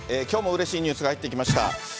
きょうもうれしいニュースが入ってきました。